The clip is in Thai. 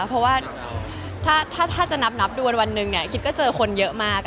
เพราะว่าถ้าจะนับดูวันหนึ่งคิดก็เจอคนเยอะมาก